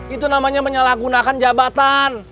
itu namanya menyalahgunakan jabatan